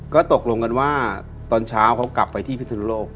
ก็ตกลงกันว่าตอนเช้าเขากลับไปที่พิศนุโลก